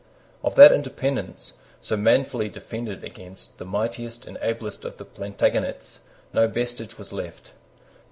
Of that independence, so manfully defended against the mightiest and ablest of the Plantagenets, no vestige was left.